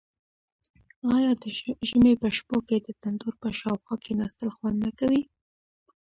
آیا د ژمي په شپو کې د تندور په شاوخوا کیناستل خوند نه کوي؟